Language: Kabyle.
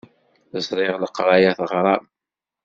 Ẓriɣ leqṛaya teɣṛam.